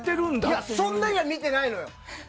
いや、そんなには見てないのよ。